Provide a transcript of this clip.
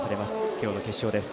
今日の決勝です。